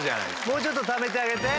もうちょっとためてあげて。